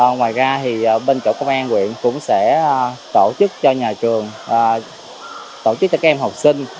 ngoài ra bên chỗ công an quyện cũng sẽ tổ chức cho nhà trường tổ chức cho các em học sinh